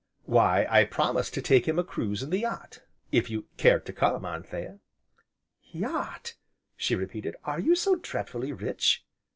"Why, I promised to take him a cruise in the yacht if you cared to come, Anthea." "Yacht!" she repeated, "are you so dreadfully rich?"